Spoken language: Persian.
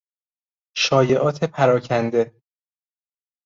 شایعات پراکنده